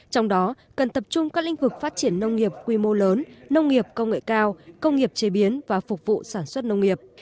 trong đó cần tập trung các lĩnh vực phát triển nông nghiệp quy mô lớn nông nghiệp công nghệ cao công nghiệp chế biến và phục vụ sản xuất nông nghiệp